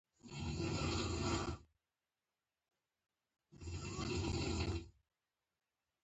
د ستنسرۍ بکس مې ګډوډ شوی و.